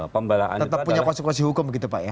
pembelaan itu adalah